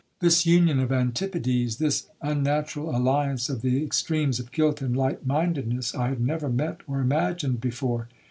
This union of antipodes, this unnatural alliance of the extremes of guilt and light mindedness, I had never met or imagined before.